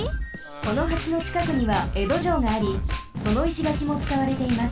この橋のちかくにはえどじょうがありその石がきもつかわれています。